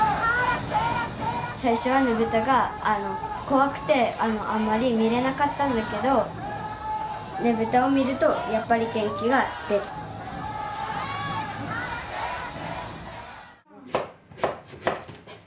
最初はねぶたが怖くてあんまり見れなかったんだけどねぶたを見るとやっぱり元気が出るラッセラッセラッセラー！